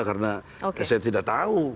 karena saya tidak tahu